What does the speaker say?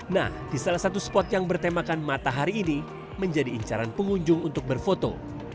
nah di salah satu spot yang bertemakan matahari ini menjadi incaran pengunjung untuk berfoto